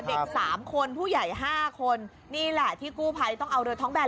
เด็กสามคนผู้ใหญ่๕คนนี่แหละที่กู้ภัยต้องเอาเรือท้องแบน